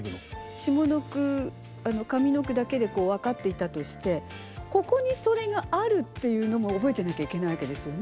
下の句上の句だけで分かっていたとしてここにそれがあるっていうのも覚えてなきゃいけないわけですよね？